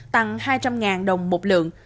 tăng hai trăm linh đồng một lượng